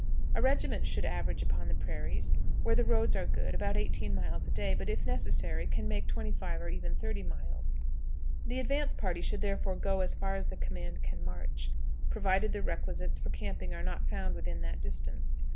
A regiment should average upon the prairies, where the roads are good, about eighteen miles a day, but, if necessary, it can make 25 or even 30 miles. The advance party should therefore go as far as the command can march, provided the requisites for camping are not found within that distance.